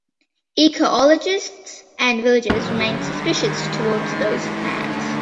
Ecologists and villagers remained suspicious toward those plans.